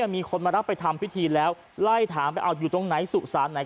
มีคนมารับไปทำพิธีแล้วไล่ถามไปเอาอยู่ตรงไหนสุสานไหน